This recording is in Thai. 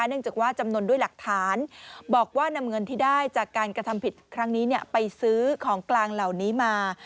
เนื่องจากว่าจำนวนด้วยหลักฐานบอกว่านำเงินที่ได้จากการกระทำผิดครั้งนี้ไปซื้อของกลางเหล่านี้มา